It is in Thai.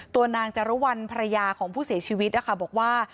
ตัวนางจรุวรรณภรรยาของผู้เสียชีวิตนะคะบอกว่า